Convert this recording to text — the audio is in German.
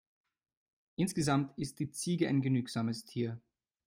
Insgesamt ist die Ziege ein genügsames Tier.